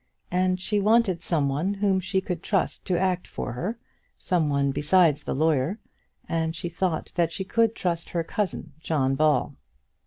And she wanted some one whom she could trust to act for her, some one besides the lawyer, and she thought that she could trust her cousin, John Ball.